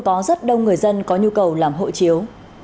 các đông người dân có nhu cầu làm hộ chiếu